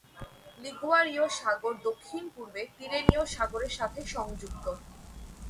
লিগুয়ারীয় সাগর দক্ষিণ-পূর্বে তিরেনীয় সাগরের সাথে সংযুক্ত।